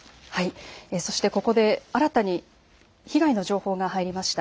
そしてここで新たに被害の情報が入りました。